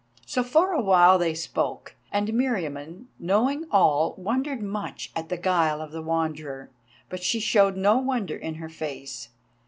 So for awhile they spoke, and Meriamun, knowing all, wondered much at the guile of the Wanderer, but she showed no wonder in her face.